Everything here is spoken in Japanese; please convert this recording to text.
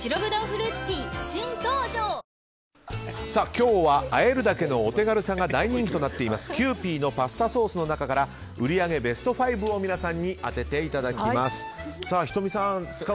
今日はあえるだけのお手軽さが大人気となっているキユーピーのパスタソースの中から売上ベスト５を皆さんに当てていただきます。